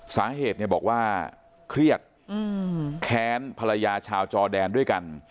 สาเหตุเนี่ยบอกว่าเครียดแค้นภรรยาชาวจอแดนด้วยกัน